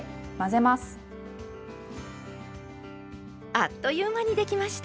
あっという間にできました。